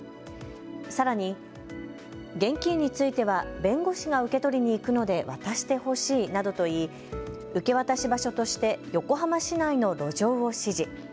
さらに現金については弁護士が受け取りに行くので渡してほしいなどと言い受け渡し場所として横浜市内の路上を指示。